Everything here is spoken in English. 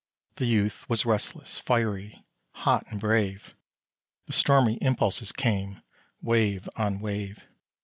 The youth was restless, fiery, hot, and brave; The stormy impulses came, wave on wave.